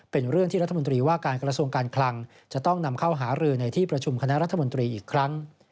เป็นเรื่องที่รัฐมนตรีว่าการกระทรวงการคลังจะต้องนำเข้าหารือในที่ประชุมคณะรัฐมนตรีอีกครั้ง